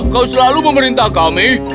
kau selalu memerintah kami